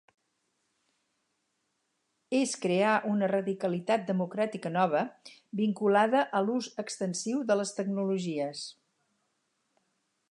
És crear una radicalitat democràtica nova, vinculada a l’ús extensiu de les tecnologies.